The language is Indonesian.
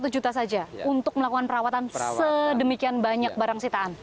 satu juta saja untuk melakukan perawatan sedemikian banyak barang sitaan